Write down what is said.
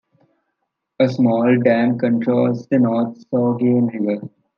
A small dam controls the North Saugeen River.